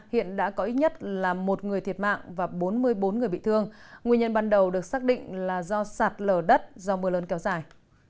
hiện đã có ít nhất là một người thiệt mạng và bốn mươi bốn người bị thương nguyên nhân ban đầu được xác định là do sạt lở đất do mưa lớn kéo dài